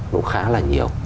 nó khá là nhiều